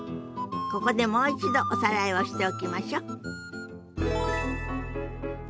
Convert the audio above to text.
ここでもう一度おさらいをしておきましょ。